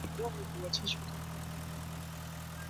此后从事教员。